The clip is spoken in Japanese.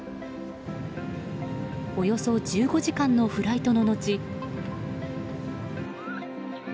およそ１５時間のフライトののち。